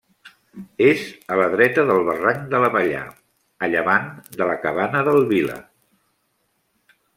És a la dreta del barranc de l'Abellar, a llevant de la Cabana del Vila.